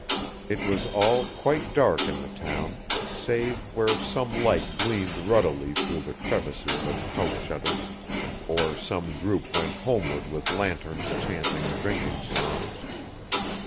It was all quite dark in the town, save where some light gleamed ruddily through the crevices of house shutters, or some group went homeward with lanterns chanting drinking songs.